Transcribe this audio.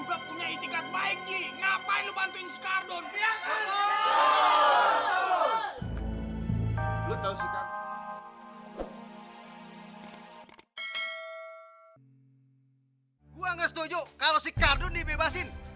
gue gak setuju kalau si cardun dibebasin